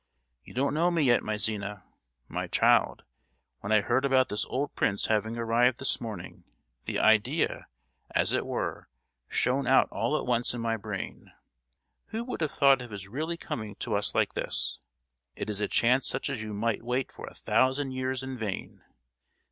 You don't know me yet, my Zina. My child, when I heard about this old prince having arrived this morning, the idea, as it were, shone out all at once in my brain! Who would have thought of his really coming to us like this! It is a chance such as you might wait for a thousand years in vain.